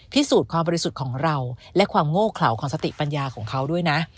พิสูจน์ความบริสุทธิ์ของเราและความโง่เขลาของสติปัญญาของเขาด้วยนะ